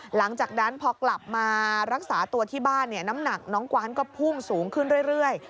หลังจากนั้นพอกลับมารักษาตัวที่บ้านน้ำหนักน้องกวานก็พุ่งสูงขึ้นเรื่อย